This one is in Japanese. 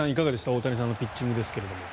大谷さんのピッチングですが。